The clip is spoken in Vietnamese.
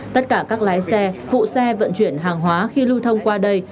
tất cả các lái xe phụ xe vận chuyển hàng hóa khi lưu thông qua đây